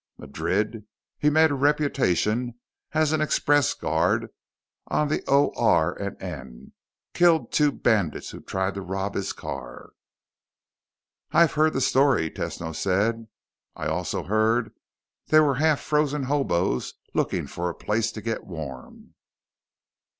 "Madrid? He made a reputation as an express guard on the OR & N. Killed two bandits who tried to rob his car." "I've heard the story," Tesno said. "I also heard they were half frozen hoboes looking for a place to get warm."